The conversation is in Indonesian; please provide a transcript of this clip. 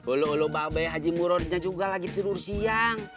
ulu ulu babai haji muradnya juga lagi tidur siang